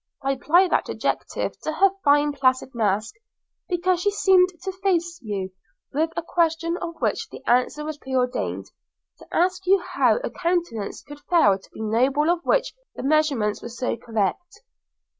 I apply that adjective to her fine placid mask because she seemed to face you with a question of which the answer was preordained, to ask you how a countenance could fail to be noble of which the measurements were so correct.